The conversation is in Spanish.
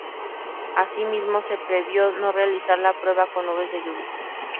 Así mismo se previó no realizar la prueba con nubes de lluvia.